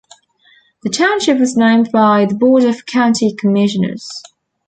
The township was named by the board of county commissioners.